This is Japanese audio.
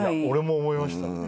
俺も思いました。